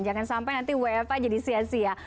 jangan sampai nanti wfa jadi sia sia